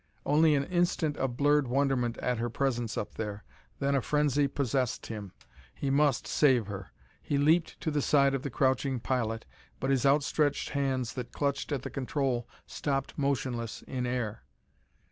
Only an instant of blurred wonderment at her presence up there then a frenzy possessed him. He must save her! He leaped to the side of the crouching pilot, but his outstretched hands that clutched at the control stopped motionless in air.